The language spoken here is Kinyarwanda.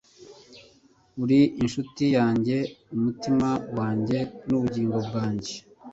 uri inshuti yanjye, umutima wanjye, nubugingo bwanjye